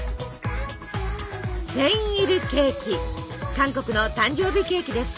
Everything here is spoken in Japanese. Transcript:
韓国の誕生日ケーキです。